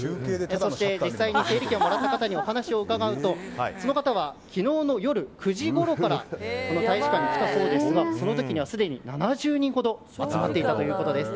そして、実際に整理券をもらった方にお話を伺うとその方は昨日の夜９時ごろからこの大使館に来たそうですがその時にはすでに７０人ほど集まっていたということです。